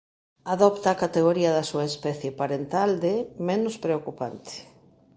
Adopta a categoría da súa especie parental de "menos preocupante".